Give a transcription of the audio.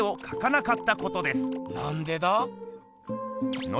なんでだ？